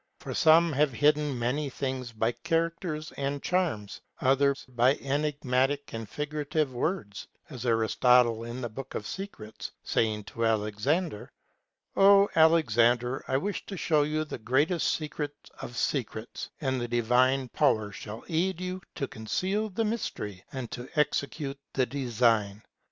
For some have hidden many things by characters and charms, others by enigmatic and figurative words, as Aris totle in the book of Secrets saying to Alexander :" O Alex ander, I wish to show you the greatest secret of secrets, and the divine power shall aid you to conceal the mystery, and to exe cute the design.